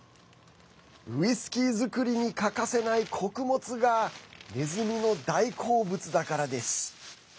ウイスキー造りに欠かせない穀物がネズミの大好物だからです。